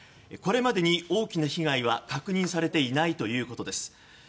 これまでに大きな被害は確認されていないということです。